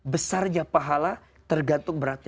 besarnya pahala tergantung beratnya